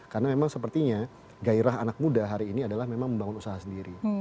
karena memang sepertinya gairah anak muda hari ini adalah memang membangun usaha sendiri